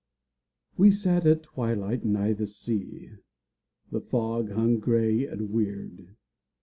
We sat at twilight nigh the sea, The fog hung gray and weird.